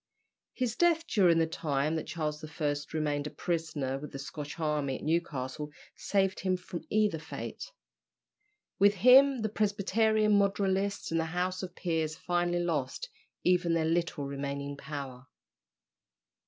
His death during the time that Charles I. remained a prisoner with the Scotch army at Newcastle saved him from either fate. With him the Presbyterian moderatists and the House of Peers finally lost even their little remaining power.